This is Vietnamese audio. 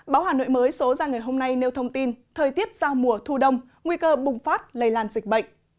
báo hà nội mới số ra ngày hôm nay nêu thông tin thời tiết giao mùa thu đông nguy cơ bùng phát lây lan dịch bệnh